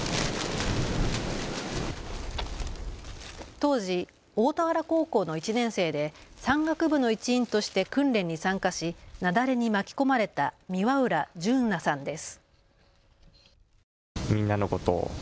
当時、大田原高校の１年生で山岳部の一員として訓練に参加し雪崩に巻き込まれた三輪浦淳和さんです。